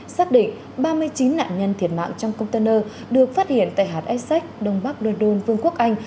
xác định ba mươi chín nạn nhân thiệt mạng trong container được phát hiện tại hạt essex đông bắc london vương quốc anh